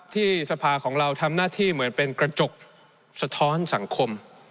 สภาของเราทำหน้าที่เหมือนเป็นกระจกสะท้อนสังคม